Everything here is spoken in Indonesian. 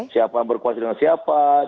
siapa berkuasir dengan siapa